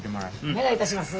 お願いいたします。